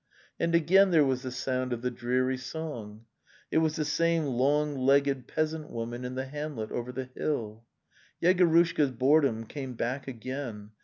And again there was the sound of the dreary song. It was the same long legged peasant woman in the hamlet over the hill. Yegorushka's boredom came back again.